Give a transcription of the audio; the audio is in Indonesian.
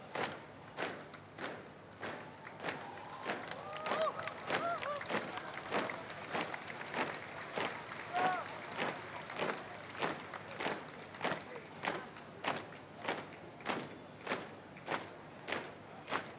penyerahan sang merah putih kepada inspektur upacara